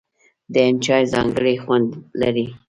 د هند چای ځانګړی خوند لري.